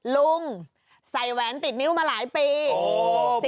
ลุงใส่แหวนติดนิ้วมาหลายปี